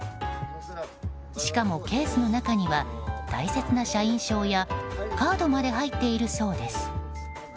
しかも、ケースの中には大切な社員証やカードまで入っているそうです。